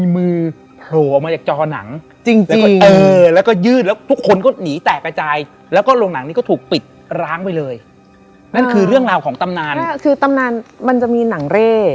ใส่แต่ไม่รู้เรื่อง